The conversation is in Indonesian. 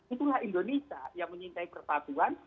itulah indonesia yang menyintai perpatuan